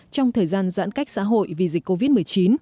trong thời gian giãn cách xã hội vì dịch covid một mươi chín